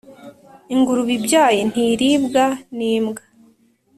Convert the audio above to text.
Ingurube ibyaye ntiribwa n’imbwa.